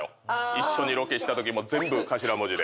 一緒にロケしたときも「全部頭文字で」